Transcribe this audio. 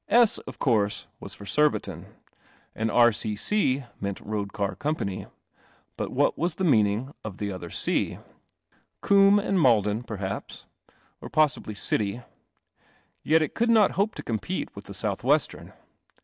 S. of course was for Surbiton, and R.C.C. meant Road Car Company. But what was the meaning of the other C. ? Coombe and Maiden, perhaps, or possibly "City." Yet it could not hope to compete with the South Western.